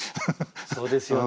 そうですよね。